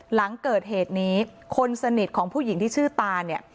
หลังเกิดเหตุนี้คนสนิทของผู้หญิงที่ชื่อตาเนี่ย